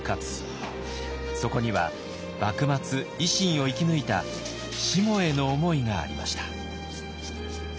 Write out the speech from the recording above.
そこには幕末維新を生き抜いたしもへの思いがありました。